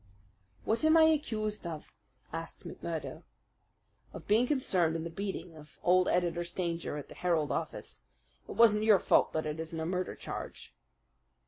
"What am I accused of?" asked McMurdo. "Of being concerned in the beating of old Editor Stanger at the Herald office. It wasn't your fault that it isn't a murder charge."